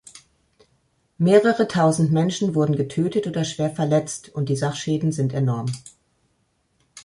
Mehrere Tausend Menschen wurden getötet oder schwer verletzt, und die Sachschäden sind enorm.